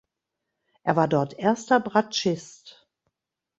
Er war dort erster Bratschist.